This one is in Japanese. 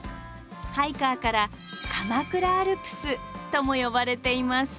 ハイカーから「鎌倉アルプス」とも呼ばれています。